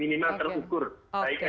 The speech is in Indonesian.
minimal terukur baiknya terukur